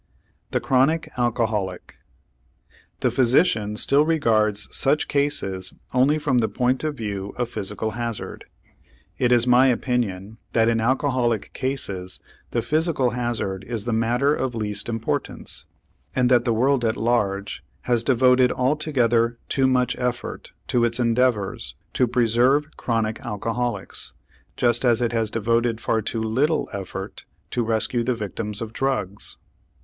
THE CHRONIC ALCOHOLIC The physician still regards such cases only from the point of view of physical hazard. It is my opinion that in alcoholic cases the physical hazard is the matter of least importance, and that the world at large has devoted altogether too much effort to its endeavors to preserve chronic alcoholics, just as it has devoted far too little effort to rescue the victims of drugs.